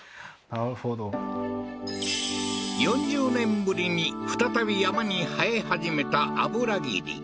なるほど４０年ぶりに再び山に生え始めた油桐